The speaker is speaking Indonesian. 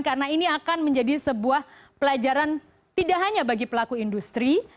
karena ini akan menjadi sebuah pelajaran tidak hanya bagi pelaku industri